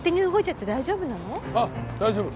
ああ大丈夫。